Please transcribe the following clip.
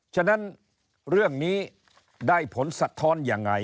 ฉะนั้นเรื่องนี้ได้ผลสัดทอนอย่างไร